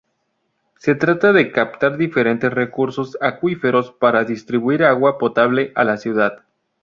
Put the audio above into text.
Se trataba de captar diferentes recursos acuíferos para distribuir agua potable a la ciudad.